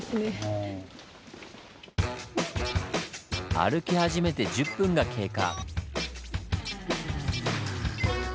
歩き始めて１０分が経過。